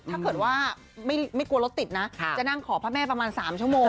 ถ้าเกิดว่าไม่กลัวรถติดนะจะนั่งขอพระแม่ประมาณ๓ชั่วโมง